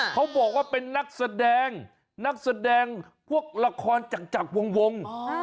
เขาบอกว่าเป็นนักแสดงนักแสดงพวกละครจากวง